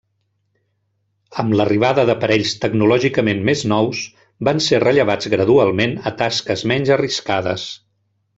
Amb l'arribada d'aparells tecnològicament més nous, van ser rellevats gradualment a tasques menys arriscades.